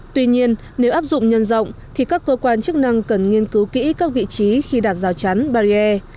tuy nhiên nếu áp dụng nhân rộng thì các cơ quan chức năng cần nghiên cứu kỹ các vị trí khi đạt rào chắn barrier